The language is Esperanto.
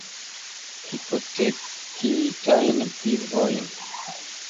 Hipotekitajn vivojn.